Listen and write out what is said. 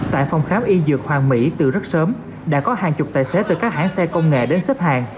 tại phòng khám y dược hoàng mỹ từ rất sớm đã có hàng chục tài xế từ các hãng xe công nghệ đến xếp hàng